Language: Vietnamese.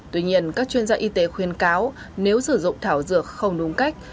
tuy nhiên các chuyên gia y tế khuyên cáo nếu sử dụng thảo dược không đúng cách